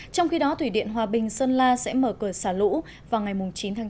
trong khi đó thủy điện hòa bình sơn la sẽ mở cửa xả lũ vào ngày chín tháng chín